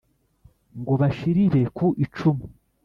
ngo bashirire ku icumu